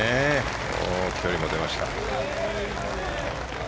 距離も出ました。